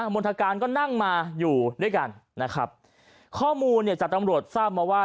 มณฑการก็นั่งมาอยู่ด้วยกันข้อมูลจากตำรวจทราบมาว่า